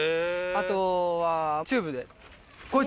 あとは。